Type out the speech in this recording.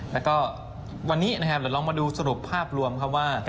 แล้วก็วันนี้นะครับเดี๋ยวลองมาดูสรุปภาพรวมครับว่า